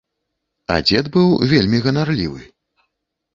А дзед быў вельмі ганарлівы.